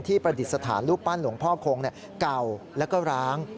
ประดิษฐานรูปปั้นหลวงพ่อคงเก่าแล้วก็ร้าง